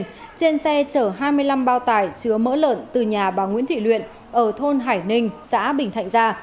trên xe chở hai mươi năm bao tải chứa mỡ lợn từ nhà bà nguyễn thị luyện ở thôn hải ninh xã bình thạnh gia